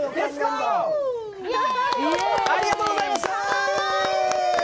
ありがとうございます！